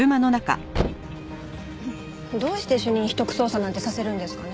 どうして主任秘匿捜査なんてさせるんですかね？